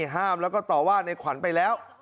ห้ามแล้วก็ต่อว่าในขวัญไปแล้ว